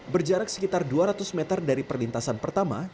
berjarak sekitar dua ratus meter dari perlintasan pertama